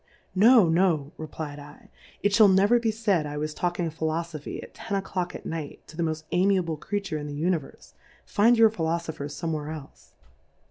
. No, No, reply dl^ it fliall never be faid I was talking Phtlofofhy at Ten a Clock at Night, to the moft amiable Crea ture in the Univerfe, find your Philo foPhers fomewhere clfe.